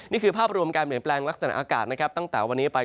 นี่คือภาพรวมการเปลี่ยนแปลงลักษณะอากาศนะครับตั้งแต่วันนี้ไป